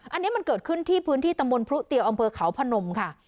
อันนี้มันเกิดขึ้นที่พื้นที่ตำบลพรุเตียวอำเภอเขาพนมค่ะ